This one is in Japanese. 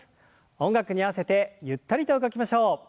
音楽に合わせてゆったりと動きましょう。